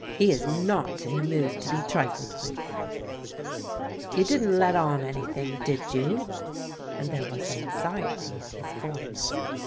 He is not in a mood to be trifled with/' " You didn't let on anything, did you? " and there was anxiety in his voice.